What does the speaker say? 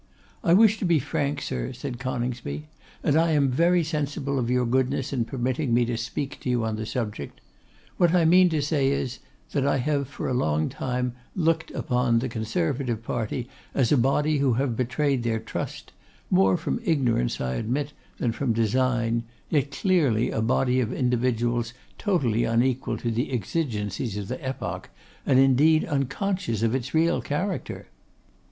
'I wish to be frank, sir,' said Coningsby, 'and am very sensible of your goodness in permitting me to speak to you on the subject. What I mean to say is, that I have for a long time looked upon the Conservative party as a body who have betrayed their trust; more from ignorance, I admit, than from design; yet clearly a body of individuals totally unequal to the exigencies of the epoch, and indeed unconscious of its real character.